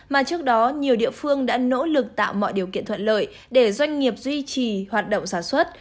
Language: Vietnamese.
mà trước đó nhiều địa phương đã nỗ lực tạo mọi điều kiện thuận lợi để doanh nghiệp duy trì hoạt động sản xuất